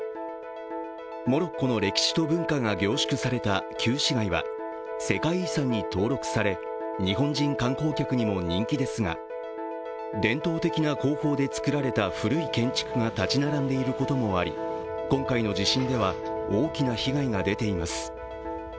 モロッコの歴史と文化が凝縮された旧市街は世界遺産に登録され、日本人観光客にも人気ですが、伝統的な工法で造られた古い建築が建ち並んでいることもあり、今回の地震では大きな被害が出ています。